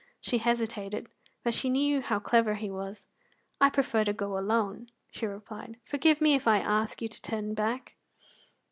She hesitated, but she knew how clever he was. "I prefer to go alone," she replied. "Forgive me if I ask you to turn back."